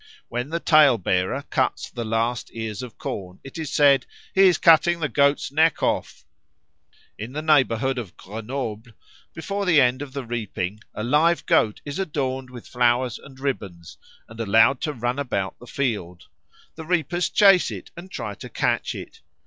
When the tail bearer cuts the last ears of corn, it is said, "He is cutting the Goat's neck off." In the neighbourhood of Grenoble, before the end of the reaping, a live goat is adorned with flowers and ribbons and allowed to run about the field. The reapers chase it and try to catch it.